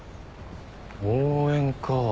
応援か。